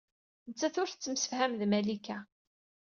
Nettat ur tettemsefham ed Malika